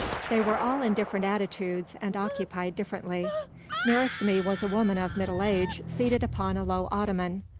They were all in different attitudes, and occupied differently. Nearest me was a woman of middle age, seated upon a low ottoman.